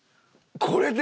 これで！？